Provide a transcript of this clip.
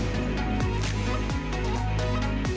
menjunjung tanah airku